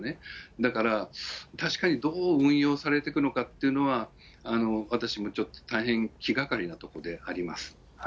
だから確かにどう運用されていくのかというのは、私もちょっと、大変気がかりなところであります。